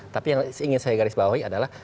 tapi yang ingin saya garis bawahi adalah